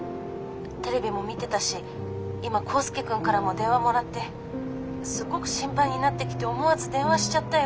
テレビも見てたし今コウスケ君からも電話もらってすっごく心配になってきて思わず電話しちゃったよ。